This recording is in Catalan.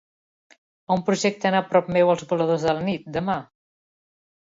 On projecten a prop meu "Els voladors de la nit" demà?